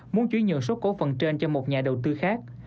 muốn chứa nhận số cổ phận trên cho một nhà đầu tư khác